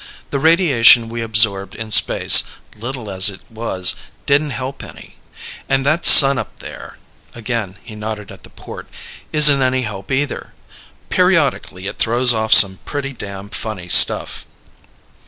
The radiation we absorbed in space, little as it was, didn't help any. And that sun up there " again he nodded at the port "isn't any help either. Periodically it throws off some pretty damned funny stuff.